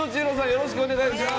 よろしくお願いします。